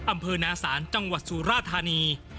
อำเภอนาศาลจังหวัดสุราธานี